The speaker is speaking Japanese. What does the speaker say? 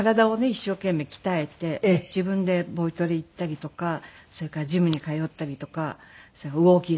一生懸命鍛えて自分でボイトレ行ったりとかそれからジムに通ったりとかウォーキングしたりとか。